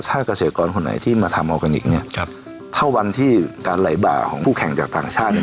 ถ้าเกษตรกรคนไหนที่มาทำออร์แกนิคเนี่ยครับถ้าวันที่การไหลบ่าของผู้แข่งจากต่างชาติเนี่ย